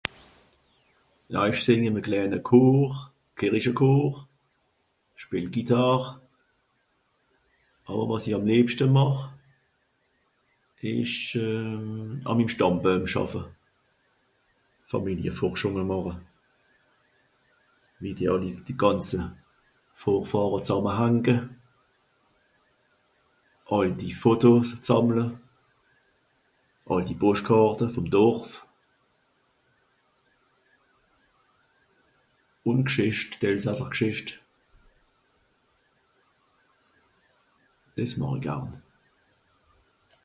ja ìsch sìn ìn ìm a klane chor kerischechor ìsch schpeel guitàr àwer wàs'i àm lebschte màch esch euh àn mim stàmpe schàffe fàmilie fòrschùng màche wie die àlli die gànze forfàr zàmme hange àlti photos zàmmle àlti poschtkàrte vom dorf ùn g'schìcht elsasser g'schìcht des màchi garn